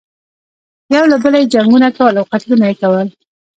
یو له بله یې جنګونه کول او قتلونه یې کول.